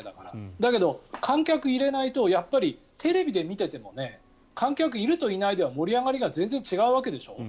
だけど、観客を入れないとやっぱりテレビで見ていても観客いるといないでは盛り上がりが全然違うわけでしょう。